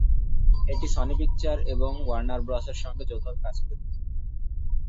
এটি Sony picture এবং Warner Bros এর সঙ্গে যৌথভাবে কাজ করে থাকে।